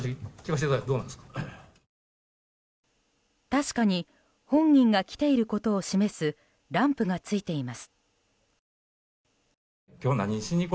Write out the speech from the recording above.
確かに本人が来ていることを示すランプがついています。